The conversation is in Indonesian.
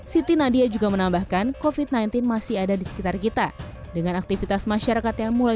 siti nadia juga menambahkan kofit sembilan belas masih ada di sekitar kita dengan aktivitas masyarakat yang mulai